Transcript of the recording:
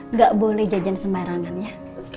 nggak boleh jajan sembarangan ya